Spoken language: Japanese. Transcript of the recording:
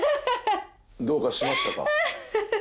どうかしましたか？